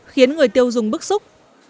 khiến người tiêu dùng bức xúc